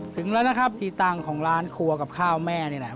ถึงแล้วนะครับทีตังค์ของร้านครัวกับข้าวแม่นี่แหละ